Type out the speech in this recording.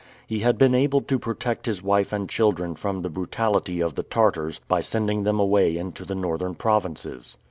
He had been able to protect his wife and children from the brutality of the Tartars by sending them away into the Northern provinces.